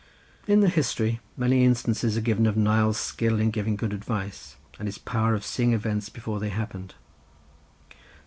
In the history many instances are given of Nial's skill in giving good advice and his power of seeing events before they happened.